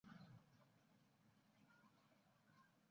直至大河内长泽松平家去到幕末为止。